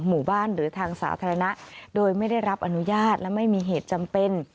หมู่บ้านหรือทางสาธารณะโดยไม่ได้รับอนุญาตและไม่มีเหตุจำเป็น